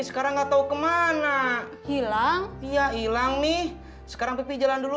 sekarang nggak tahu kemana hilang iya hilang nih sekarang pipi jalan dulu